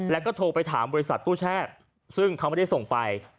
แล้วก็โทรไปถามบริษัทตู้แช่ซึ่งเขาไม่ได้ส่งไป